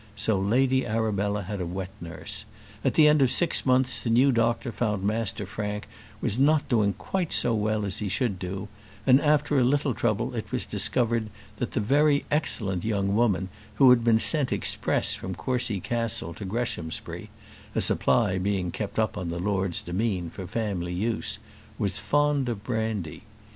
So Lady Arabella had a wet nurse. At the end of six months the new doctor found Master Frank was not doing quite so well as he should do; and after a little trouble it was discovered that the very excellent young woman who had been sent express from Courcy Castle to Greshamsbury a supply being kept up on the lord's demesne for the family use was fond of brandy.